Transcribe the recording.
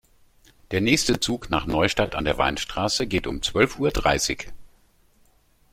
Der nächste Zug nach Neustadt an der Weinstraße geht um zwölf Uhr dreißig